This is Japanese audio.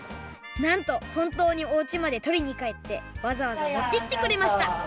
なんとほんとうにおうちまでとりにかえってわざわざ持ってきてくれました！